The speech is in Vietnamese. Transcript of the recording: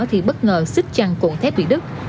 thì bất ngờ xích chăn cuộn thép bị đứt